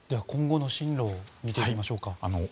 今後の進路を見ていきましょうか。